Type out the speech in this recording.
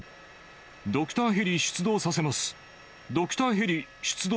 ドクターヘリ出動させます。